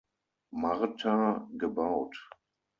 Marta, gebaut.